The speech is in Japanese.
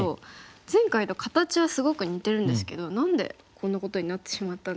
前回と形はすごく似てるんですけど何でこんなことになってしまったんですか？